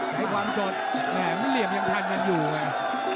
ให้ความสดแหมมันเหลี่ยมยังทันกันอยู่ไง